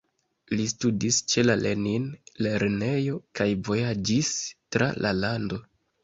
Li studis ĉe la Lenin-lernejo kaj vojaĝis tra la lando.